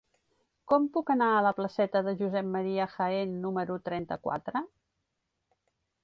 Com puc anar a la placeta de Josep Ma. Jaén número trenta-quatre?